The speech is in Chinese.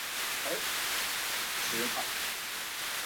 他成为美国史上第一个因公殉职的众议员。